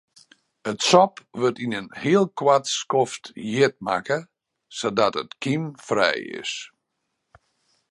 It sop wurdt yn in heel koart skoft hjit makke sadat it kymfrij is.